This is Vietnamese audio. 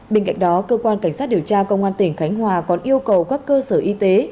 bên cạnh đó cơ quan cảnh sát điều tra công an tỉnh khánh hòa còn yêu cầu các cơ sở y tế